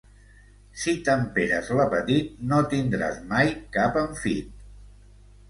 Si temperes l'apetit no tindràs mai cap enfit.